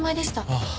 ああ。